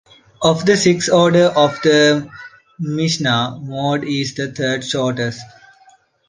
Of the six orders of the Mishna, Moed is the third shortest.